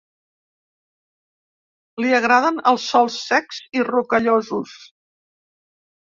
Li agraden els sòls secs i rocallosos.